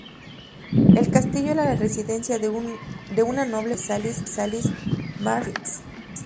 El castillo era la residencia de una noble familia de Salis-Marschlins.